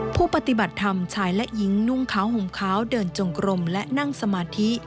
ผู้ปฏิบัติธรรมชายและหญิงนุ่งขาวห่มขาวเดินจงกรมและนั่งสมาธิ